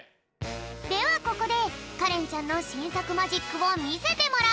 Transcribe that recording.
ではここでかれんちゃんのしんさくマジックをみせてもらうぴょん。